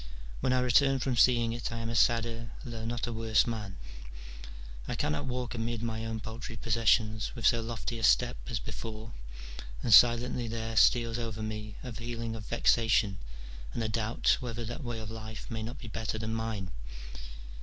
When I return from seeing it I am a sadder, though not a worse man, I cannot walk amid my own paltry possessions with so lofty a step as before, and silently there steals over me a feeling of vexation, and a doubt whether that way of life may not be better than mine.